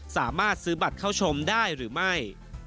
สามารถซื้อบัตรเข้าชมได้หรือไม่